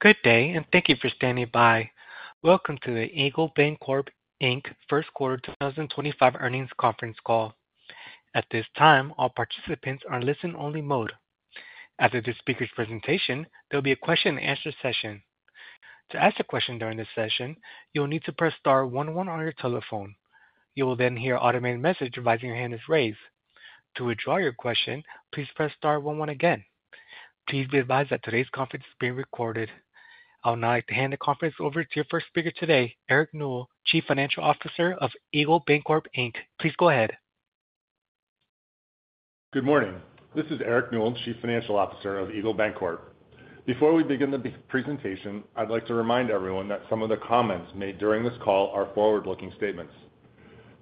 Good day, and thank you for standing by. Welcome to the Eagle Bancorp First Quarter 2025 Earnings Conference Call. At this time, all participants are in listen-only mode. After this speaker's presentation, there will be a question-and-answer session. To ask a question during this session, you will need to press star 1 1 on your telephone. You will then hear an automated message advising your hand is raised. To withdraw your question, please press star 11 again. Please be advised that today's conference is being recorded. I would now like to hand the conference over to your first speaker today, Eric Newell, Chief Financial Officer of Eagle Bancorp. Please go ahead. Good morning. This is Eric Newell, Chief Financial Officer of Eagle Bancorp. Before we begin the presentation, I'd like to remind everyone that some of the comments made during this call are forward-looking statements.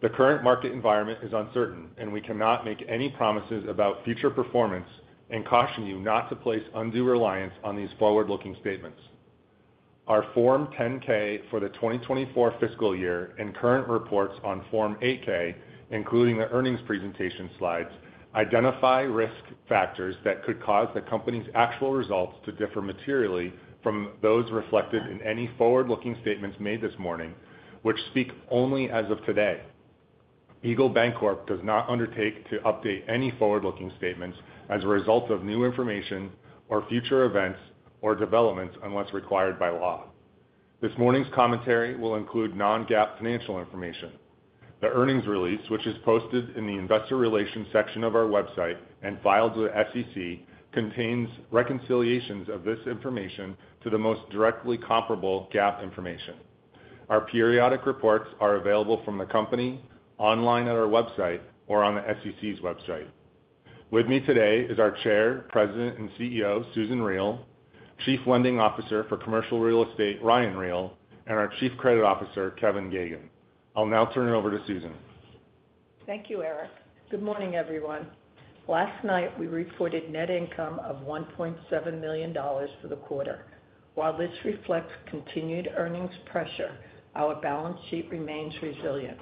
The current market environment is uncertain, and we cannot make any promises about future performance and caution you not to place undue reliance on these forward-looking statements. Our Form 10-K for the 2024 fiscal year and current reports on Form 8-K, including the earnings presentation slides, identify risk factors that could cause the company's actual results to differ materially from those reflected in any forward-looking statements made this morning, which speak only as of today. Eagle Bancorp does not undertake to update any forward-looking statements as a result of new information or future events or developments unless required by law. This morning's commentary will include non-GAAP financial information. The earnings release, which is posted in the investor relations section of our website and filed with the SEC, contains reconciliations of this information to the most directly comparable GAAP information. Our periodic reports are available from the company, online at our website, or on the SEC's website. With me today is our Chair, President, and CEO, Susan Riel, Chief Lending Officer for Commercial Real Estate, Ryan Riel, and our Chief Credit Officer, Kevin Geoghegan. I'll now turn it over to Susan. Thank you, Eric. Good morning, everyone. Last night, we reported net income of $1.7 million for the quarter. While this reflects continued earnings pressure, our balance sheet remains resilient.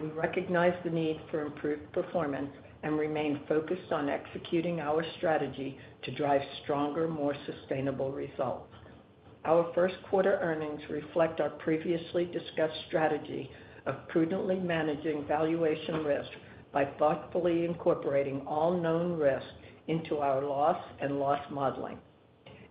We recognize the need for improved performance and remain focused on executing our strategy to drive stronger, more sustainable results. Our first quarter earnings reflect our previously discussed strategy of prudently managing valuation risk by thoughtfully incorporating all known risks into our loss and loss modeling.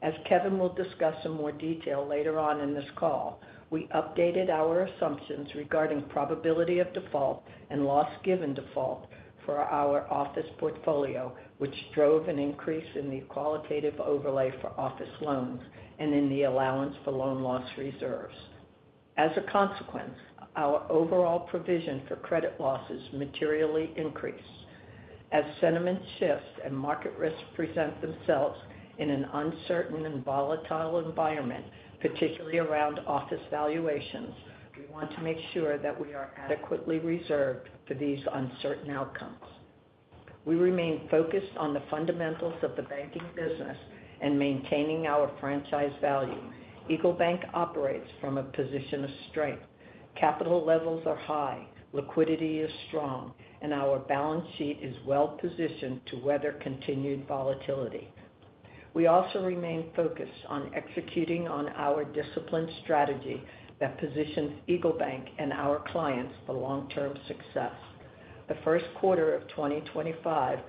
As Kevin will discuss in more detail later on in this call, we updated our assumptions regarding probability of default and loss-given default for our office portfolio, which drove an increase in the qualitative overlay for office loans and in the allowance for loan loss reserves. As a consequence, our overall provision for credit losses materially increased. As sentiment shifts and market risks present themselves in an uncertain and volatile environment, particularly around office valuations, we want to make sure that we are adequately reserved for these uncertain outcomes. We remain focused on the fundamentals of the banking business and maintaining our franchise value. EagleBank operates from a position of strength. Capital levels are high, liquidity is strong, and our balance sheet is well-positioned to weather continued volatility. We also remain focused on executing on our disciplined strategy that positions EagleBank and our clients for long-term success. The first quarter of 2025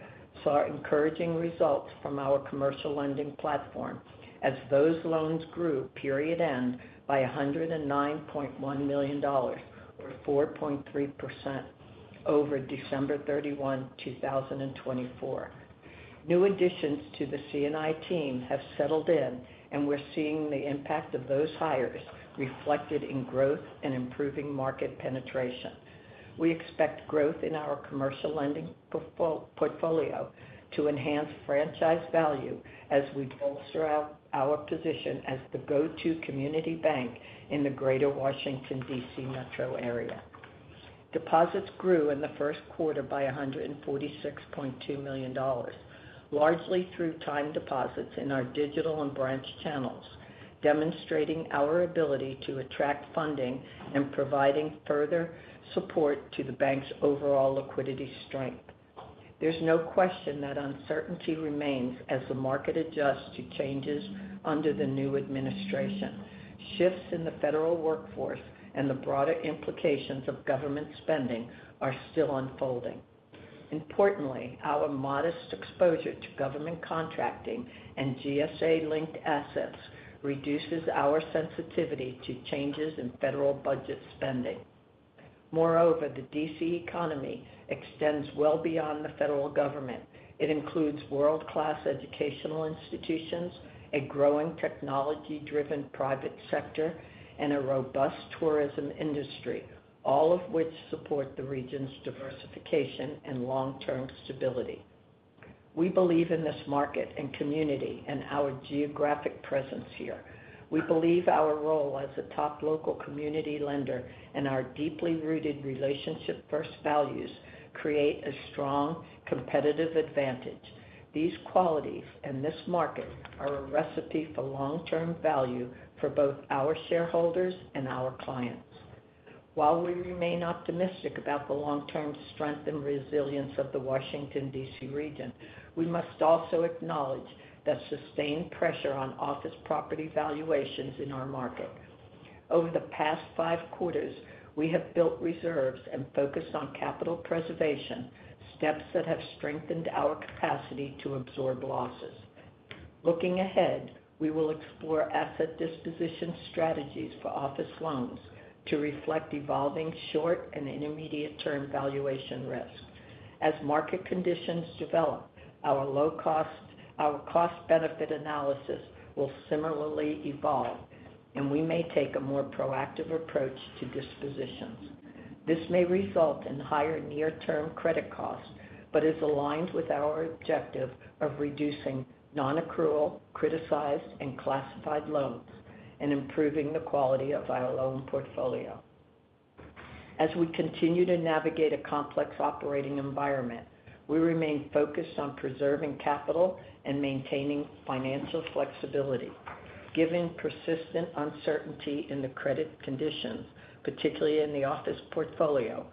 saw encouraging results from our commercial lending platform as those loans grew period-end by $109.1 million, or 4.3%, over December 31st, 2024. New additions to the C&I team have settled in, and we're seeing the impact of those hires reflected in growth and improving market penetration. We expect growth in our commercial lending portfolio to enhance franchise value as we bolster our position as the go-to community bank in the greater Washington, D.C. metro area. Deposits grew in the first quarter by $146.2 million, largely through time deposits in our digital and branch channels, demonstrating our ability to attract funding and providing further support to the bank's overall liquidity strength. There is no question that uncertainty remains as the market adjusts to changes under the new administration. Shifts in the federal workforce and the broader implications of government spending are still unfolding. Importantly, our modest exposure to government contracting and GSA-linked assets reduces our sensitivity to changes in federal budget spending. Moreover, the D.C. economy extends well beyond the federal government. It includes world-class educational institutions, a growing technology-driven private sector, and a robust tourism industry, all of which support the region's diversification and long-term stability. We believe in this market and community and our geographic presence here. We believe our role as a top local community lender and our deeply rooted relationship-first values create a strong competitive advantage. These qualities and this market are a recipe for long-term value for both our shareholders and our clients. While we remain optimistic about the long-term strength and resilience of the Washington, D.C. region, we must also acknowledge the sustained pressure on office property valuations in our market. Over the past five quarters, we have built reserves and focused on capital preservation, steps that have strengthened our capacity to absorb losses. Looking ahead, we will explore asset disposition strategies for office loans to reflect evolving short and intermediate-term valuation risk. As market conditions develop, our cost-benefit analysis will similarly evolve, and we may take a more proactive approach to dispositions. This may result in higher near-term credit costs but is aligned with our objective of reducing non-accrual, criticized, and classified loans and improving the quality of our loan portfolio. As we continue to navigate a complex operating environment, we remain focused on preserving capital and maintaining financial flexibility. Given persistent uncertainty in the credit conditions, particularly in the office portfolio,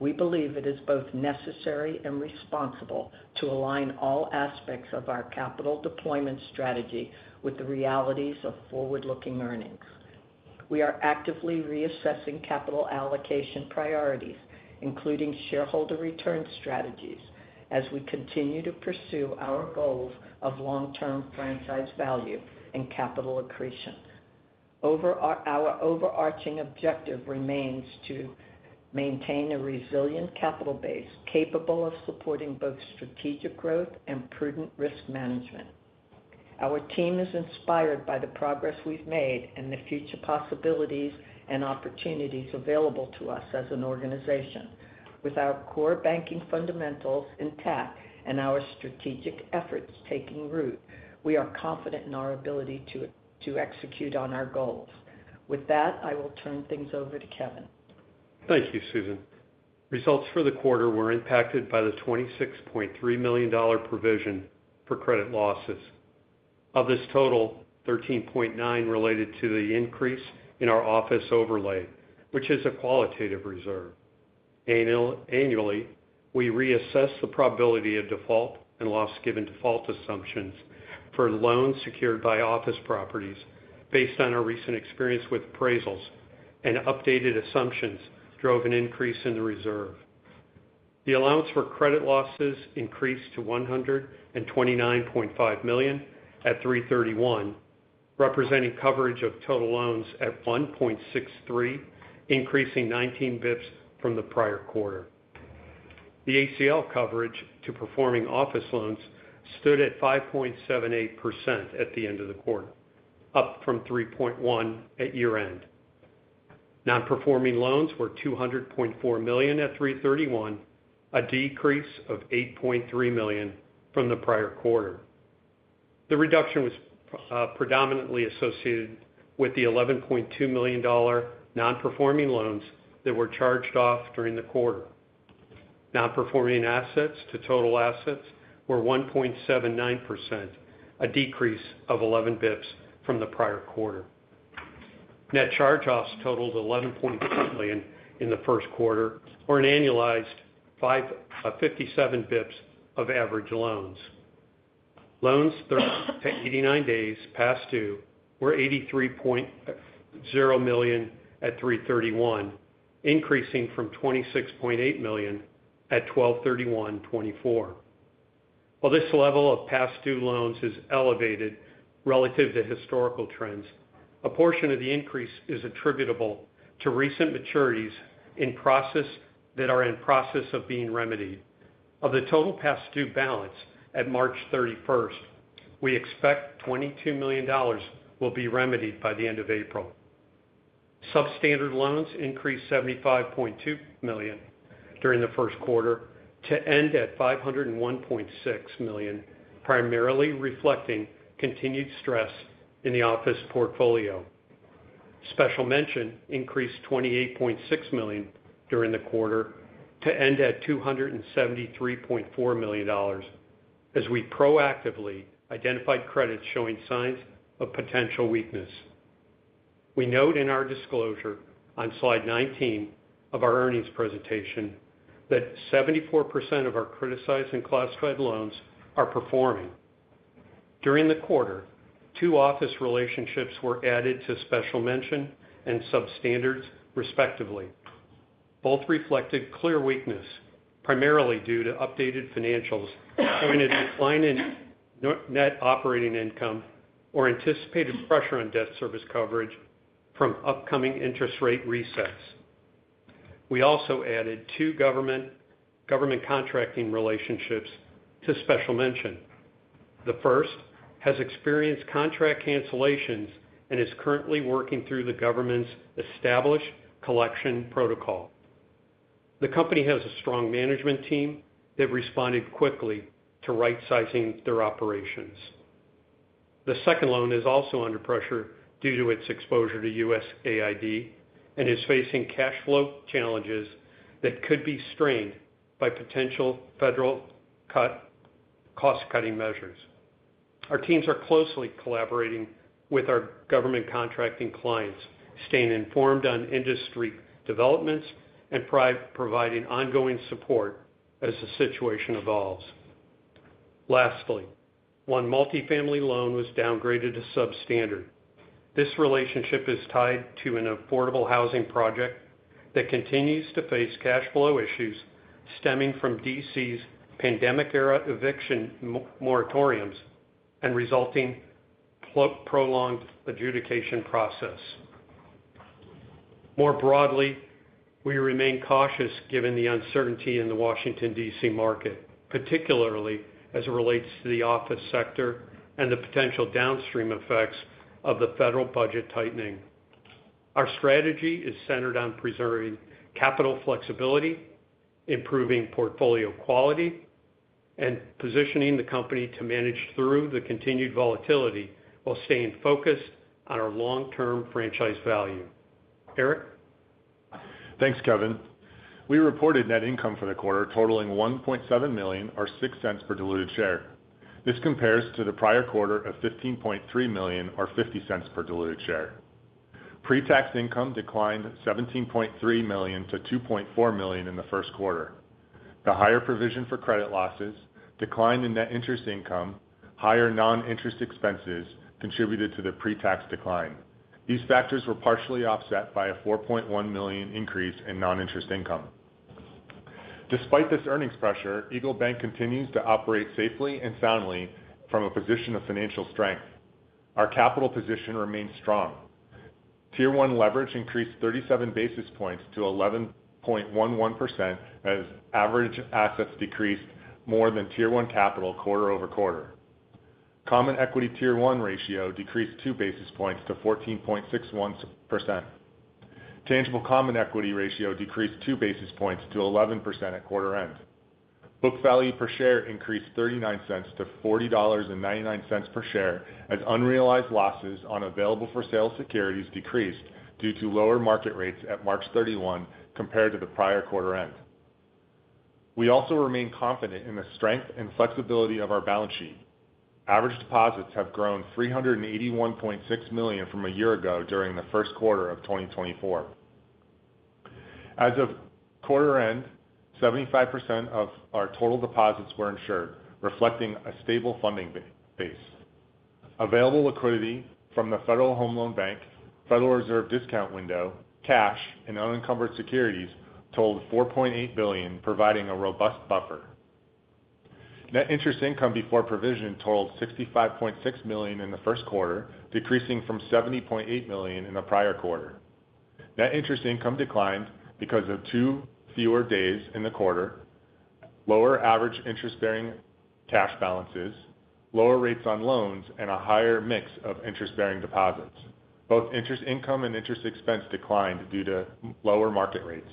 we believe it is both necessary and responsible to align all aspects of our capital deployment strategy with the realities of forward-looking earnings. We are actively reassessing capital allocation priorities, including shareholder return strategies, as we continue to pursue our goals of long-term franchise value and capital accretion. Our overarching objective remains to maintain a resilient capital base capable of supporting both strategic growth and prudent risk management. Our team is inspired by the progress we've made and the future possibilities and opportunities available to us as an organization. With our core banking fundamentals intact and our strategic efforts taking root, we are confident in our ability to execute on our goals. With that, I will turn things over to Kevin. Thank you, Susan. Results for the quarter were impacted by the $26.3 million provision for credit losses. Of this total, $13.9 million related to the increase in our office overlay, which is a qualitative reserve. Annually, we reassess the probability of default and loss-given default assumptions for loans secured by office properties based on our recent experience with appraisals, and updated assumptions drove an increase in the reserve. The allowance for credit losses increased to $129.5 million at 3/31, representing coverage of total loans at $1.63, increasing 19 basis points from the prior quarter. The ACL coverage to performing office loans stood at 5.78% at the end of the quarter, up from 3.1% at year-end. Non-performing loans were $200.4 million at 3/31, a decrease of $8.3 million from the prior quarter. The reduction was predominantly associated with the $11.2 million non-performing loans that were charged off during the quarter. Non-performing assets to total assets were 1.79%, a decrease of 11 basis points from the prior quarter. Net charge-offs totaled $11.4 million in the first quarter, or an annualized 57 basis points of average loans. Loans 30-89 days past due were $83.0 million at March 31st, increasing from $26.8 million at December 31st, 2023. While this level of past-due loans is elevated relative to historical trends, a portion of the increase is attributable to recent maturities in process that are in process of being remedied. Of the total past-due balance at March 31st, we expect $22 million will be remedied by the end of April. Substandard loans increased $75.2 million during the first quarter to end at $501.6 million, primarily reflecting continued stress in the office portfolio. Special mention increased $28.6 million during the quarter to end at $273.4 million, as we proactively identified credits showing signs of potential weakness. We note in our disclosure on slide 19 of our earnings presentation that 74% of our criticized and classified loans are performing. During the quarter, two office relationships were added to special mention and substandard, respectively. Both reflected clear weakness, primarily due to updated financials pointing to a decline in net operating income or anticipated pressure on debt service coverage from upcoming interest rate resets. We also added two government contracting relationships to special mention. The first has experienced contract cancellations and is currently working through the government's established collection protocol. The company has a strong management team that responded quickly to right-sizing their operations. The second loan is also under pressure due to its exposure to USAID and is facing cash flow challenges that could be strained by potential federal cost-cutting measures. Our teams are closely collaborating with our government contracting clients, staying informed on industry developments, and providing ongoing support as the situation evolves. Lastly, one multi-family loan was downgraded to substandard. This relationship is tied to an affordable housing project that continues to face cash flow issues stemming from D.C.'s pandemic-era eviction moratoriums and resulting prolonged adjudication process. More broadly, we remain cautious given the uncertainty in the Washington, D.C. market, particularly as it relates to the office sector and the potential downstream effects of the federal budget tightening. Our strategy is centered on preserving capital flexibility, improving portfolio quality, and positioning the company to manage through the continued volatility while staying focused on our long-term franchise value. Eric? Thanks, Kevin. We reported net income for the quarter totaling $1.7 million, or 6 cents per diluted share. This compares to the prior quarter of $15.3 million, or 50 cents per diluted share. Pretax income declined $17.3million to $2.4 million in the first quarter. The higher provision for credit losses, decline in net interest income, and higher non-interest expenses contributed to the pretax decline. These factors were partially offset by a $4.1 million increase in non-interest income. Despite this earnings pressure, Eagle Bancorp continues to operate safely and soundly from a position of financial strength. Our capital position remains strong. Tier 1 leverage increased 37 basis points to 11.11% as average assets decreased more than Tier 1 capital quarter over quarter. Common Equity Tier 1 ratio decreased 2 basis points to 14.61%. Tangible common equity ratio decreased 2 basis points to 11% at quarter-end. Book value per share increased $0.39 to $40.99 per share as unrealized losses on available-for-sale securities decreased due to lower market rates at March 31st compared to the prior quarter-end. We also remain confident in the strength and flexibility of our balance sheet. Average deposits have grown $381.6 million from a year ago during the first quarter of 2024. As of quarter-end, 75% of our total deposits were insured, reflecting a stable funding base. Available liquidity from the Federal Home Loan Bank, Federal Reserve discount window, cash, and unencumbered securities totaled $4.8 billion, providing a robust buffer. Net interest income before provision totaled $65.6 million in the first quarter, decreasing from $70.8 million in the prior quarter. Net interest income declined because of two fewer days in the quarter, lower average interest-bearing cash balances, lower rates on loans, and a higher mix of interest-bearing deposits. Both interest income and interest expense declined due to lower market rates.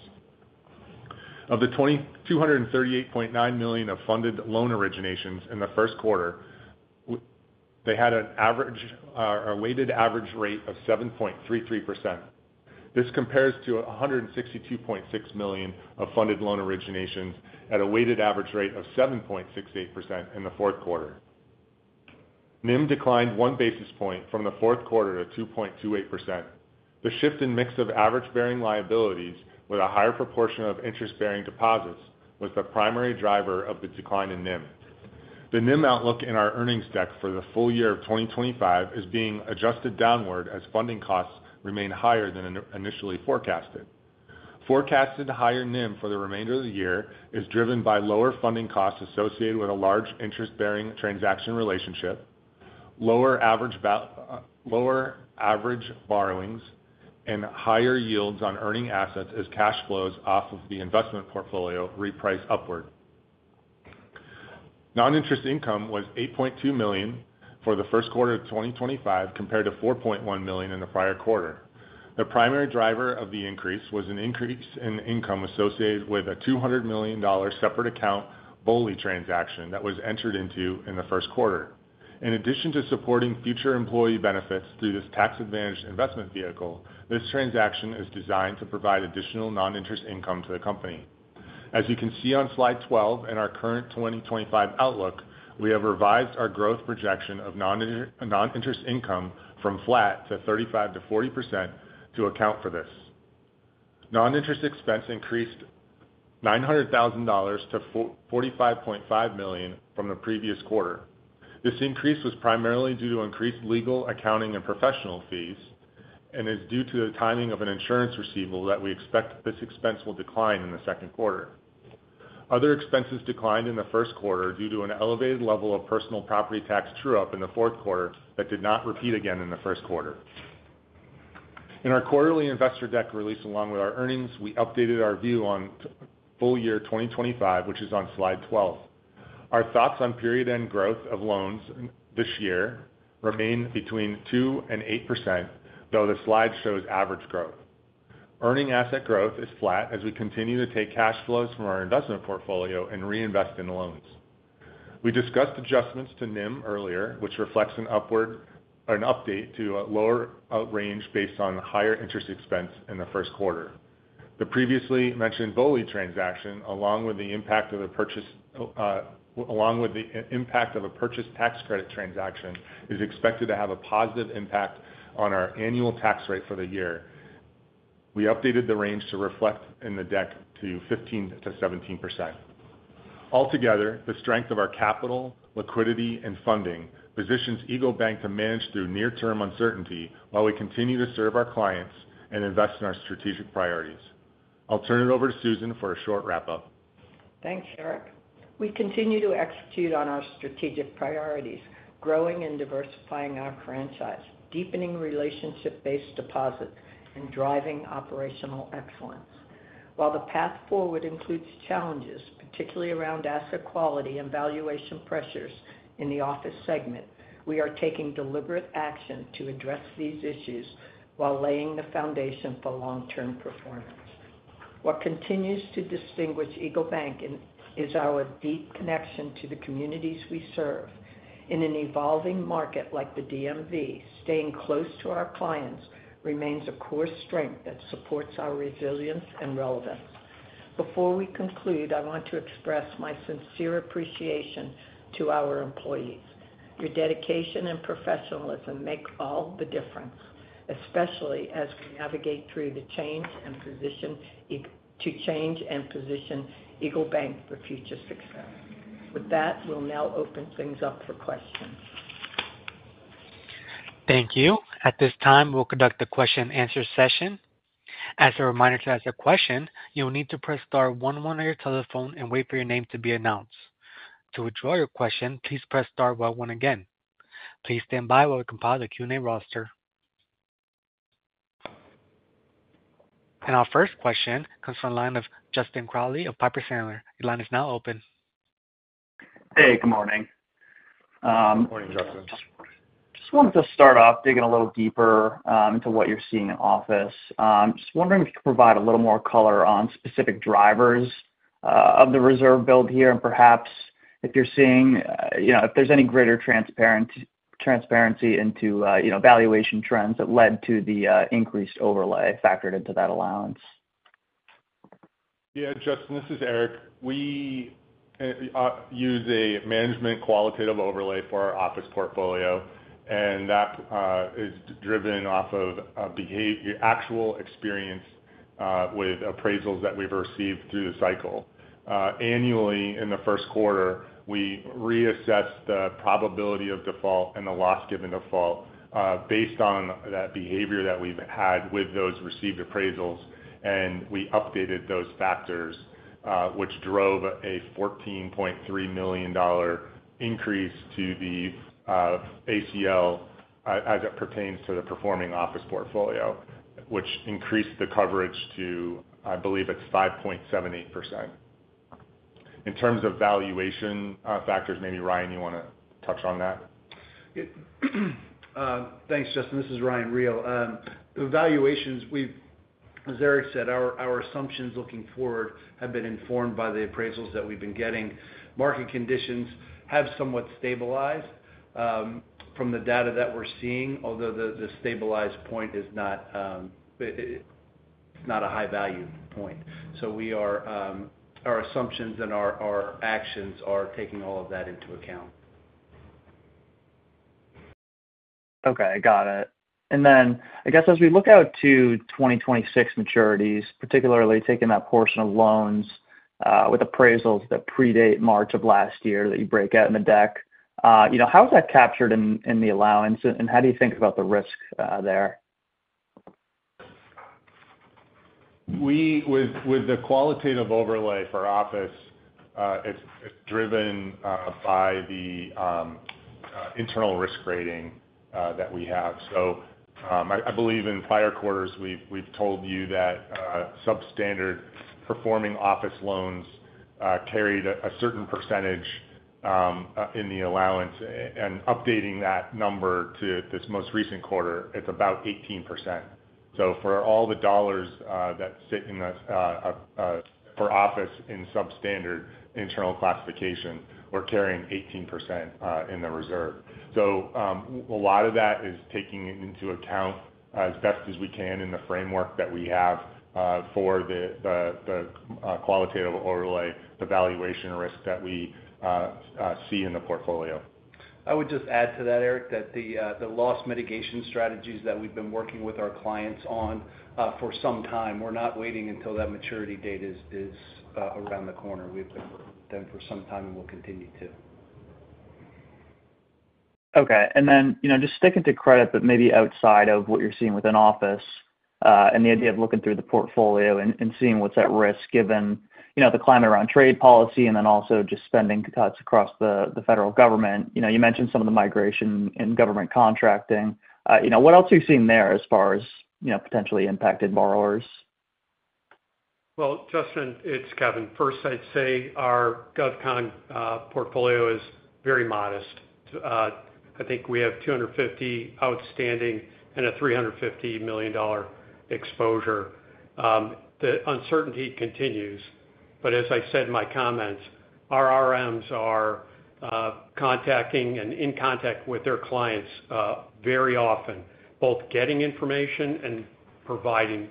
Of the $238.9 million of funded loan originations in the first quarter, they had a weighted average rate of 7.33%. This compares to $162.6 million of funded loan originations at a weighted average rate of 7.68% in the fourth quarter. NIM declined one basis point from the fourth quarter to 2.28%. The shift in mix of average-bearing liabilities with a higher proportion of interest-bearing deposits was the primary driver of the decline in NIM. The NIM outlook in our earnings deck for the full year of 2025 is being adjusted downward as funding costs remain higher than initially forecasted. Forecasted higher NIM for the remainder of the year is driven by lower funding costs associated with a large interest-bearing transaction relationship, lower average borrowings, and higher yields on earning assets as cash flows off of the investment portfolio reprice upward. Non-interest income was $8.2 million for the first quarter of 2025 compared to $4.1 million in the prior quarter. The primary driver of the increase was an increase in income associated with a $200 million separate account BOLI transaction that was entered into in the first quarter. In addition to supporting future employee benefits through this tax-advantaged investment vehicle, this transaction is designed to provide additional non-interest income to the company. As you can see on slide 12 in our current 2025 outlook, we have revised our growth projection of non-interest income from flat to 35%-40% to account for this. Non-interest expense increased $900,000 to $45.5 million from the previous quarter. This increase was primarily due to increased legal, accounting, and professional fees and is due to the timing of an insurance receivable that we expect this expense will decline in the second quarter. Other expenses declined in the first quarter due to an elevated level of personal property tax true-up in the fourth quarter that did not repeat again in the first quarter. In our quarterly investor deck release along with our earnings, we updated our view on full year 2025, which is on slide 12. Our thoughts on period-end growth of loans this year remain between 2% and 8%, though the slide shows average growth. Earning asset growth is flat as we continue to take cash flows from our investment portfolio and reinvest in loans. We discussed adjustments to NIM earlier, which reflects an update to a lower range based on higher interest expense in the first quarter. The previously mentioned BOLI transaction, along with the impact of a purchase tax credit transaction, is expected to have a positive impact on our annual tax rate for the year. We updated the range to reflect in the deck to 15%-17%. Altogether, the strength of our capital, liquidity, and funding positions Eagle Bancorp to manage through near-term uncertainty while we continue to serve our clients and invest in our strategic priorities. I'll turn it over to Susan for a short wrap-up. Thanks, Eric. We continue to execute on our strategic priorities, growing and diversifying our franchise, deepening relationship-based deposits, and driving operational excellence. While the path forward includes challenges, particularly around asset quality and valuation pressures in the office segment, we are taking deliberate action to address these issues while laying the foundation for long-term performance. What continues to distinguish Eagle Bancorp is our deep connection to the communities we serve. In an evolving market like the DMV, staying close to our clients remains a core strength that supports our resilience and relevance. Before we conclude, I want to express my sincere appreciation to our employees. Your dedication and professionalism make all the difference, especially as we navigate through the change and position Eagle Bancorp for future success. With that, we'll now open things up for questions. Thank you. At this time, we'll conduct the question-and-answer session. As a reminder to ask a question, you'll need to press star 1 1 on your telephone and wait for your name to be announced. To withdraw your question, please press star 1 1 again. Please stand by while we compile the Q&A roster. Our first question comes from the line of Justin Crowley of Piper Sandler. Your line is now open. Hey, good morning. Good morning, Justin. Just wanted to start off digging a little deeper into what you're seeing in office. Just wondering if you could provide a little more color on specific drivers of the reserve build here and perhaps if you're seeing if there's any greater transparency into valuation trends that led to the increased overlay factored into that allowance. Yeah, Justin, this is Eric. We use a management qualitative overlay for our office portfolio, and that is driven off of actual experience with appraisals that we've received through the cycle. Annually, in the first quarter, we reassess the probability of default and the loss-given default based on that behavior that we've had with those received appraisals, and we updated those factors, which drove a $14.3 million increase to the ACL as it pertains to the performing office portfolio, which increased the coverage to, I believe it's 5.78%. In terms of valuation factors, maybe Ryan, you want to touch on that? Thanks, Justin. This is Ryan Riel. The valuations, as Eric said, our assumptions looking forward have been informed by the appraisals that we've been getting. Market conditions have somewhat stabilized from the data that we're seeing, although the stabilized point is not a high-value point. Our assumptions and our actions are taking all of that into account. Okay, got it. I guess as we look out to 2026 maturities, particularly taking that portion of loans with appraisals that predate March of last year that you break out in the deck, how is that captured in the allowance, and how do you think about the risk there? With the qualitative overlay for office, it's driven by the internal risk rating that we have. I believe in prior quarters, we've told you that substandard performing office loans carried a certain percentage in the allowance, and updating that number to this most recent quarter, it's about 18%. For all the dollars that sit for office in substandard internal classification, we're carrying 18% in the reserve. A lot of that is taking into account as best as we can in the framework that we have for the qualitative overlay, the valuation risk that we see in the portfolio. I would just add to that, Eric, that the loss mitigation strategies that we've been working with our clients on for some time, we're not waiting until that maturity date is around the corner. We've been working with them for some time, and we'll continue to. Okay. Just sticking to credit, but maybe outside of what you're seeing within office and the idea of looking through the portfolio and seeing what's at risk given the climate around trade policy and also just spending cuts across the federal government. You mentioned some of the migration in government contracting. What else are you seeing there as far as potentially impacted borrowers? Justin, it's Kevin. First, I'd say our GovCon portfolio is very modest. I think we have 250 outstanding and a $350 million exposure. The uncertainty continues. As I said in my comments, our RMs are contacting and in contact with their clients very often, both getting information and providing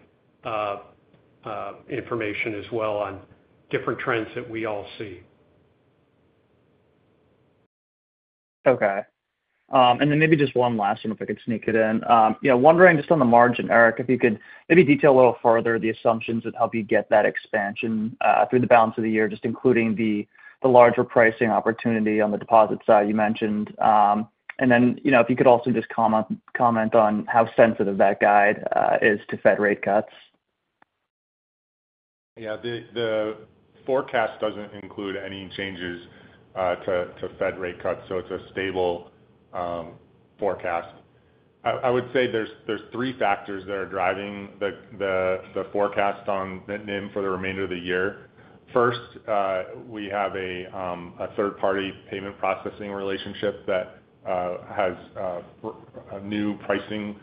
information as well on different trends that we all see. Okay. Maybe just one last one, if I could sneak it in. Wondering just on the margin, Eric, if you could maybe detail a little further the assumptions that help you get that expansion through the balance of the year, just including the larger pricing opportunity on the deposit side you mentioned. If you could also just comment on how sensitive that guide is to Fed rate cuts. Yeah, the forecast doesn't include any changes to Fed rate cuts, so it's a stable forecast. I would say there's three factors that are driving the forecast on NIM for the remainder of the year. First, we have a third-party payment processing relationship that has a new pricing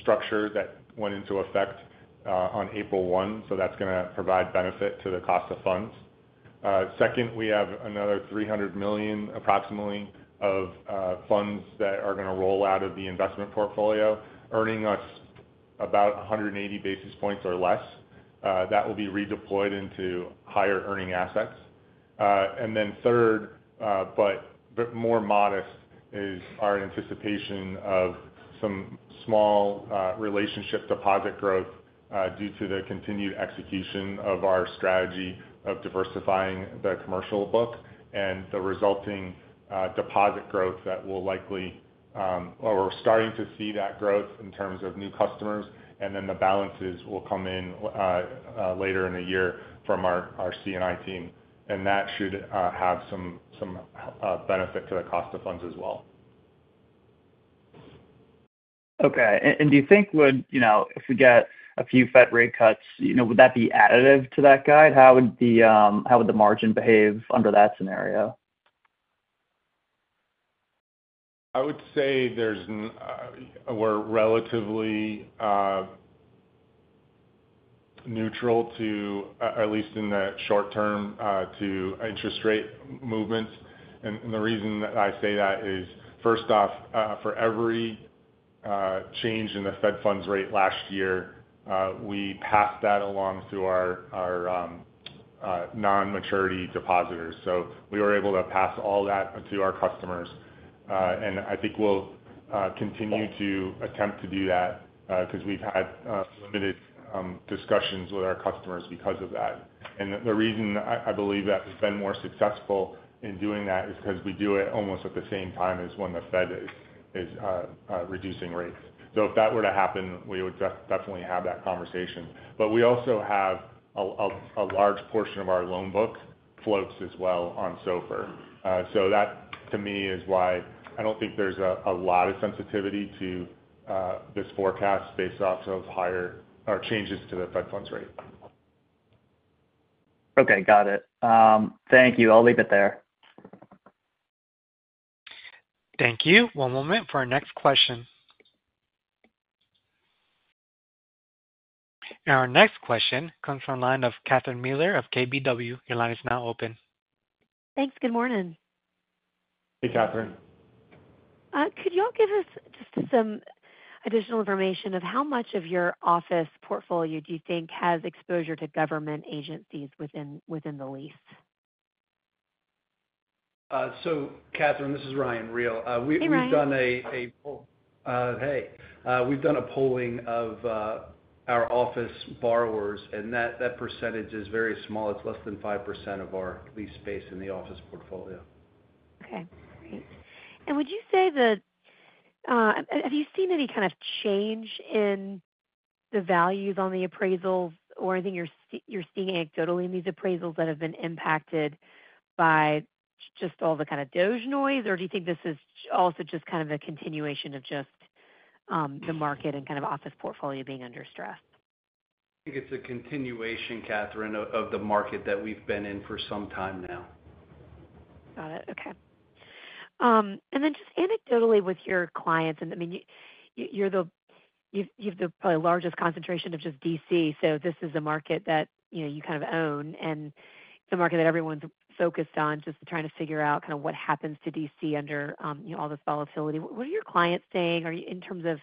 structure that went into effect on April 1st, so that's going to provide benefit to the cost of funds. Second, we have another $300 million, approximately, of funds that are going to roll out of the investment portfolio, earning us about 180 basis points or less. That will be redeployed into higher earning assets. Third, but more modest, is our anticipation of some small relationship deposit growth due to the continued execution of our strategy of diversifying the commercial book and the resulting deposit growth that will likely, or we're starting to see that growth in terms of new customers, and then the balances will come in later in the year from our C&I team. That should have some benefit to the cost of funds as well. Okay. Do you think if we get a few Fed rate cuts, would that be additive to that guide? How would the margin behave under that scenario? I would say we're relatively neutral, at least in the short term, to interest rate movements. The reason that I say that is, first off, for every change in the Fed funds rate last year, we passed that along to our non-maturity depositors. We were able to pass all that to our customers. I think we'll continue to attempt to do that because we've had limited discussions with our customers because of that. The reason I believe that we've been more successful in doing that is because we do it almost at the same time as when the Fed is reducing rates. If that were to happen, we would definitely have that conversation. We also have a large portion of our loan book floats as well on SOFR. That, to me, is why I don't think there's a lot of sensitivity to this forecast based off of changes to the Fed funds rate. Okay, got it. Thank you. I'll leave it there. Thank you. One moment for our next question. Our next question comes from the line of Catherine Mealor of KBW. Your line is now open. Thanks. Good morning. Hey, Catherine. Could you all give us just some additional information of how much of your office portfolio do you think has exposure to government agencies within the lease? Catherine, this is Ryan Riel. Hey, Ryan. We've done a polling of our office borrowers, and that percentage is very small. It's less than 5% of our lease space in the office portfolio. Okay. Great. Would you say that have you seen any kind of change in the values on the appraisals or anything you're seeing anecdotally in these appraisals that have been impacted by just all the kind of DOGE noise, or do you think this is also just kind of a continuation of just the market and kind of office portfolio being under stress? I think it's a continuation, Catherine, of the market that we've been in for some time now. Got it. Okay. And then just anecdotally with your clients, I mean, you have the probably largest concentration of just D.C., so this is a market that you kind of own, and it's a market that everyone's focused on, just trying to figure out kind of what happens to D.C. under all this volatility. What are your clients saying in terms of,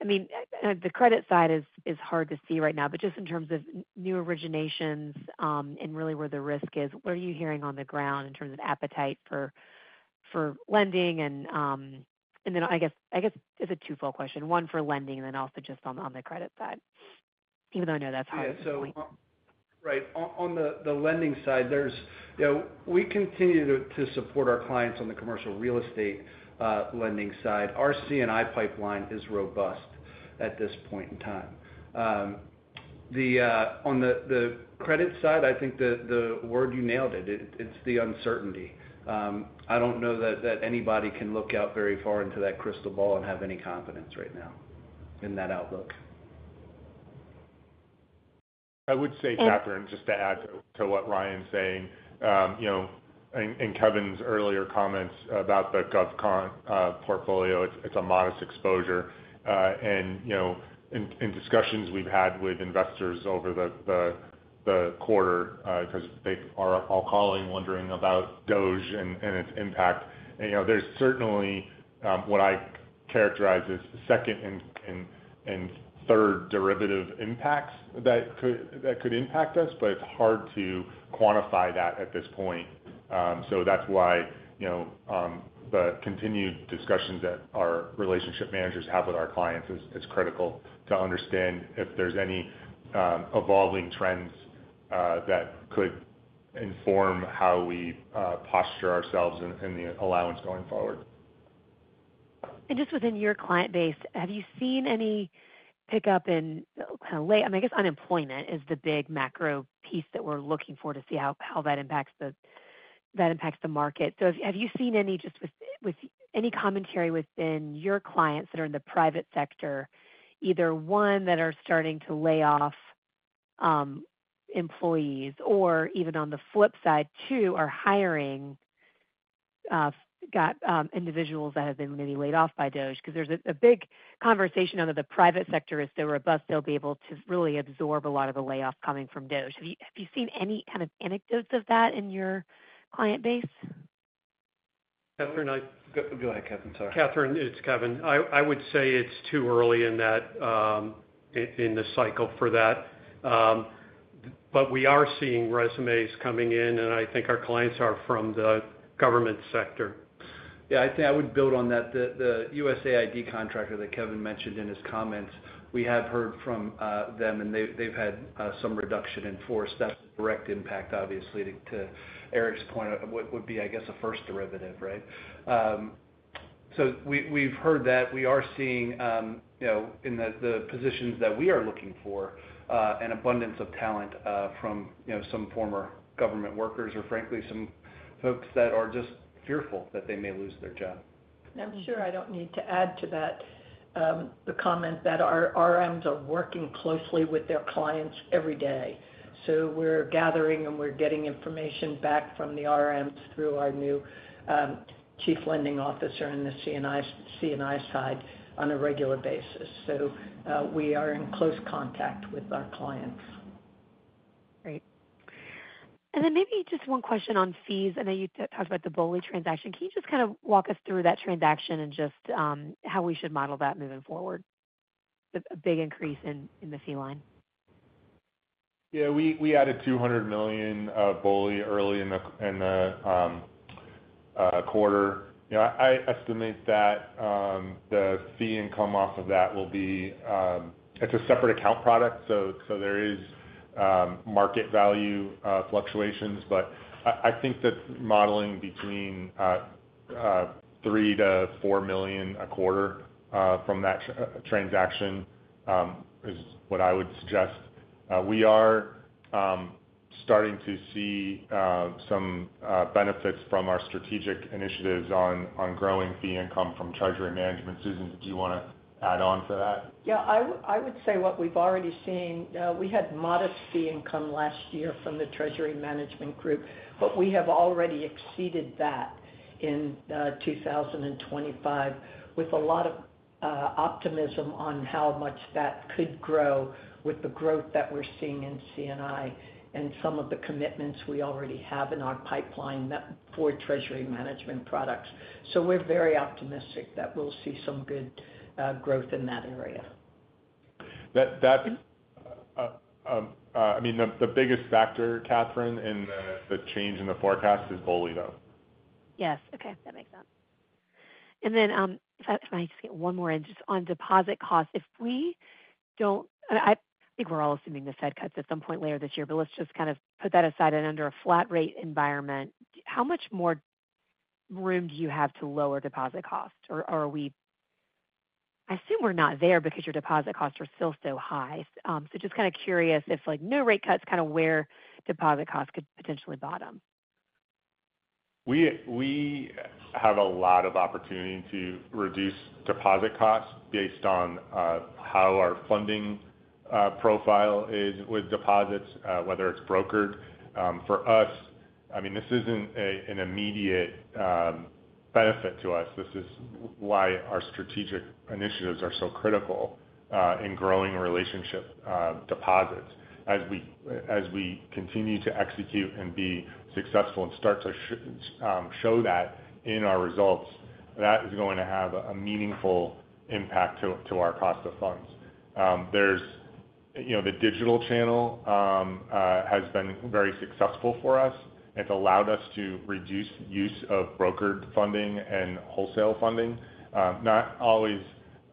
I mean, the credit side is hard to see right now, but just in terms of new originations and really where the risk is, what are you hearing on the ground in terms of appetite for lending? I guess it's a twofold question. One for lending and then also just on the credit side, even though I know that's hard. Right. On the lending side, we continue to support our clients on the commercial real estate lending side. Our C&I pipeline is robust at this point in time. On the credit side, I think the word you nailed it. It's the uncertainty. I don't know that anybody can look out very far into that crystal ball and have any confidence right now in that outlook. I would say, Catherine, just to add to what Ryan's saying and Kevin's earlier comments about the GovCon portfolio, it's a modest exposure. In discussions we've had with investors over the quarter, because they are all calling, wondering about DOGE and its impact, there's certainly what I characterize as second and third derivative impacts that could impact us, but it's hard to quantify that at this point. That's why the continued discussions that our relationship managers have with our clients is critical to understand if there's any evolving trends that could inform how we posture ourselves in the allowance going forward. Just within your client base, have you seen any pickup in, I guess, unemployment is the big macro piece that we're looking for to see how that impacts the market. Have you seen any, just with any commentary within your clients that are in the private sector, either ones that are starting to lay off employees or even on the flip side too, are hiring individuals that have been maybe laid off by DOGE? There is a big conversation on that, the private sector is so robust, they'll be able to really absorb a lot of the layoffs coming from DOGE. Have you seen any kind of anecdotes of that in your client base? Catherine, go ahead, Kevin. Sorry. Catherine, it's Kevin. I would say it's too early in the cycle for that. We are seeing resumes coming in, and I think our clients are from the government sector. Yeah, I think I would build on that. The USAID contractor that Kevin mentioned in his comments, we have heard from them, and they've had some reduction in force. That's a direct impact, obviously, to Eric's point, would be, I guess, a first derivative, right? So we've heard that. We are seeing in the positions that we are looking for an abundance of talent from some former government workers or, frankly, some folks that are just fearful that they may lose their job. I'm sure I don't need to add to that the comment that our RMs are working closely with their clients every day. We are gathering and we are getting information back from the RMs through our new chief lending officer in the C&I side on a regular basis. We are in close contact with our clients. Great. Maybe just one question on fees. I know you talked about the BOLI transaction. Can you just kind of walk us through that transaction and just how we should model that moving forward? A big increase in the fee line? Yeah, we added $200 million BOLI early in the quarter. I estimate that the fee income off of that will be, it's a separate account product, so there is market value fluctuations. But I think that modeling between $3 million-$4 million a quarter from that transaction is what I would suggest. We are starting to see some benefits from our strategic initiatives on growing fee income from treasury management. Susan, did you want to add on to that? Yeah, I would say what we've already seen. We had modest fee income last year from the treasury management group, but we have already exceeded that in 2024 with a lot of optimism on how much that could grow with the growth that we're seeing in C&I and some of the commitments we already have in our pipeline for treasury management products. We are very optimistic that we'll see some good growth in that area. I mean, the biggest factor, Catherine, in the change in the forecast is BOLI, though. Yes. Okay. That makes sense. If I can just get one more in just on deposit costs, if we do not, I think we are all assuming the Fed cuts at some point later this year, but let's just kind of put that aside. Under a flat rate environment, how much more room do you have to lower deposit costs? I assume we are not there because your deposit costs are still so high. Just kind of curious if no rate cuts, kind of where deposit costs could potentially bottom. We have a lot of opportunity to reduce deposit costs based on how our funding profile is with deposits, whether it's brokered. For us, I mean, this isn't an immediate benefit to us. This is why our strategic initiatives are so critical in growing relationship deposits. As we continue to execute and be successful and start to show that in our results, that is going to have a meaningful impact to our cost of funds. The digital channel has been very successful for us. It's allowed us to reduce use of brokered funding and wholesale funding, not always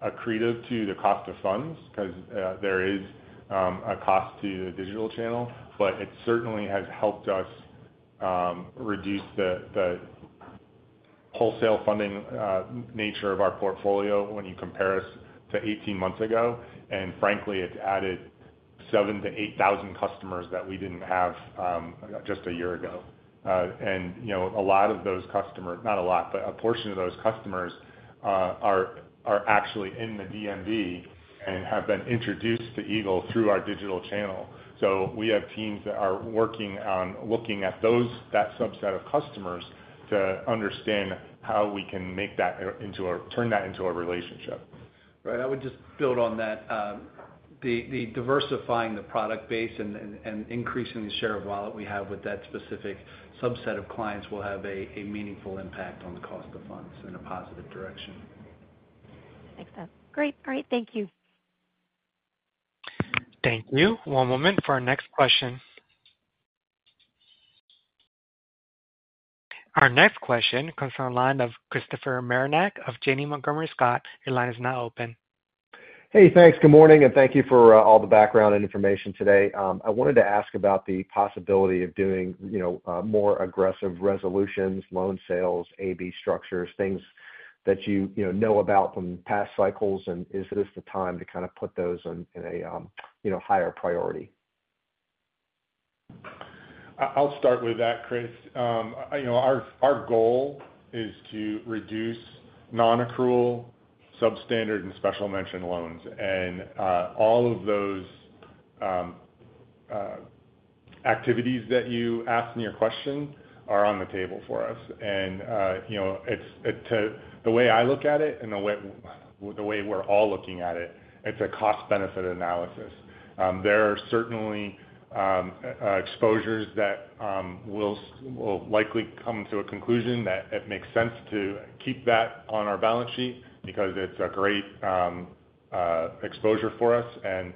accretive to the cost of funds because there is a cost to the digital channel, but it certainly has helped us reduce the wholesale funding nature of our portfolio when you compare us to 18 months ago. Frankly, it's added 7,000-8,000 customers that we didn't have just a year ago. A lot of those customers, not a lot, but a portion of those customers are actually in the DMV and have been introduced to Eagle through our digital channel. We have teams that are working on looking at that subset of customers to understand how we can turn that into a relationship. Right. I would just build on that. The diversifying the product base and increasing the share of wallet we have with that specific subset of clients will have a meaningful impact on the cost of funds in a positive direction. Makes sense. Great. All right. Thank you. Thank you. One moment for our next question. Our next question comes from the line of Christopher Marinac of Janney Montgomery Scott. Your line is now open. Hey, thanks. Good morning. Thank you for all the background information today. I wanted to ask about the possibility of doing more aggressive resolutions, loan sales, A/B structures, things that you know about from past cycles. Is this the time to kind of put those in a higher priority? I'll start with that, Chris. Our goal is to reduce non-accrual, substandard, and special mention loans. All of those activities that you asked in your question are on the table for us. The way I look at it and the way we're all looking at it, it's a cost-benefit analysis. There are certainly exposures that will likely come to a conclusion that it makes sense to keep that on our balance sheet because it's a great exposure for us, and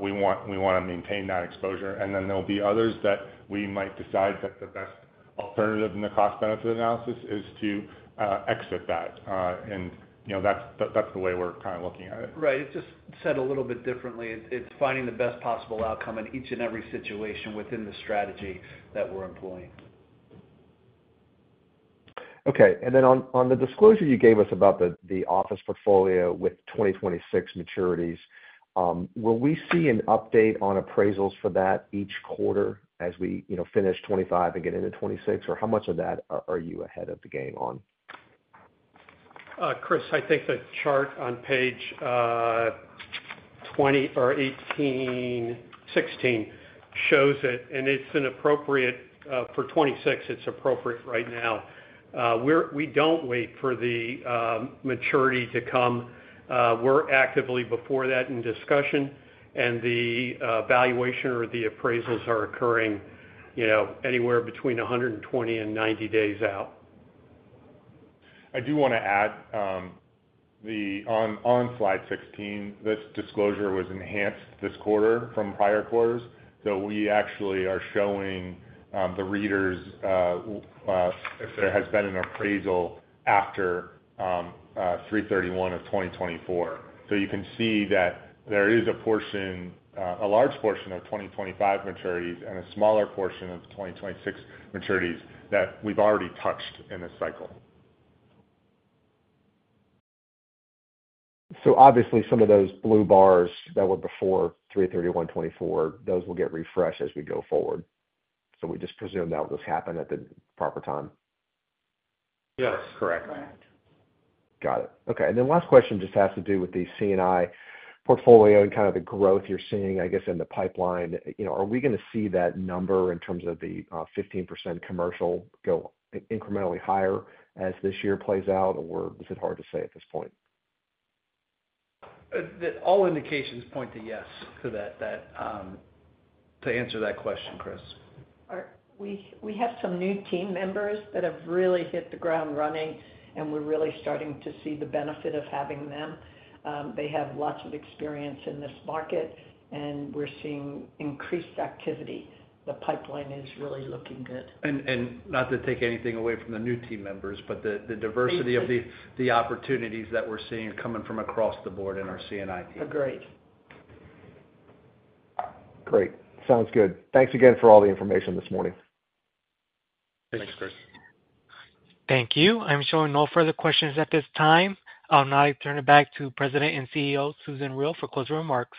we want to maintain that exposure. There will be others that we might decide that the best alternative in the cost-benefit analysis is to exit that. That's the way we're kind of looking at it. Right. It's just said a little bit differently. It's finding the best possible outcome in each and every situation within the strategy that we're employing. Okay. On the disclosure you gave us about the office portfolio with 2026 maturities, will we see an update on appraisals for that each quarter as we finish 2025 and get into 2026? How much of that are you ahead of the game on? Chris, I think the chart on page 18, 16 shows it, and it's an appropriate for 2026. It's appropriate right now. We don't wait for the maturity to come. We're actively before that in discussion, and the valuation or the appraisals are occurring anywhere between 120 and 90 days out. I do want to add on slide 16, this disclosure was enhanced this quarter from prior quarters. We actually are showing the readers if there has been an appraisal after 3/31 of 2024. You can see that there is a portion, a large portion of 2025 maturities and a smaller portion of 2026 maturities that we've already touched in this cycle. Obviously, some of those blue bars that were before 3/31/2024, those will get refreshed as we go forward. We just presume that will just happen at the proper time. Yes. Correct. Got it. Okay. Last question just has to do with the C&I portfolio and kind of the growth you're seeing, I guess, in the pipeline. Are we going to see that number in terms of the 15% commercial go incrementally higher as this year plays out, or is it hard to say at this point? All indications point to yes to answer that question, Chris. We have some new team members that have really hit the ground running, and we're really starting to see the benefit of having them. They have lots of experience in this market, and we're seeing increased activity. The pipeline is really looking good. Not to take anything away from the new team members, but the diversity of the opportunities that we're seeing are coming from across the board in our C&I team. Agreed. Great. Sounds good. Thanks again for all the information this morning. Thanks, Chris. Thank you. I'm showing no further questions at this time. I'll now turn it back to President and CEO Susan Riel for closing remarks.